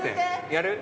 やる？